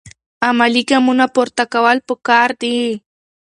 عملي ګامونه پورته کول پکار دي.